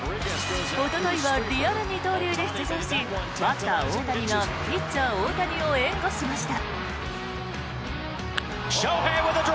おとといはリアル二刀流で出場しバッター・大谷がピッチャー・大谷を援護しました。